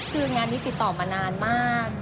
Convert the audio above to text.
คืองานนี้ติดต่อมานานมาก